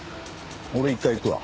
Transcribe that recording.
俺１階行くわ。